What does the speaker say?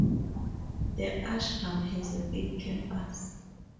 The ashram has a big campus.